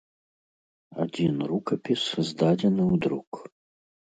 Адзін рукапіс здадзены ў друк.